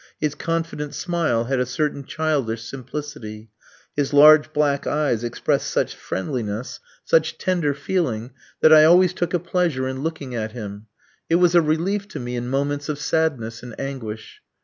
His confident smile had a certain childish simplicity; his large black eyes expressed such friendliness, such tender feeling, that I always took a pleasure in looking at him. It was a relief to me in moments of sadness and anguish.